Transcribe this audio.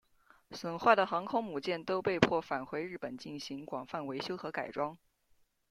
损坏的航空母舰都被迫返回日本进行广泛维修和改装。